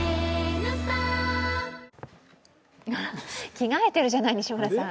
着替えてるじゃない、西村さん。